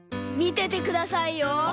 みててくださいよ。